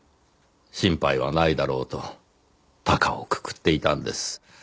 心配はないだろうと高をくくっていたんです。